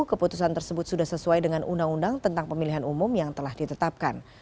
keputusan tersebut sudah sesuai dengan undang undang tentang pemilihan umum yang telah ditetapkan